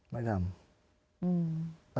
ไม่ทำ